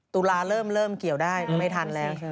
ตุลาเริ่มเกี่ยวได้ไม่ทันแล้ว